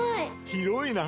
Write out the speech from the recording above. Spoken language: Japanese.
広いな！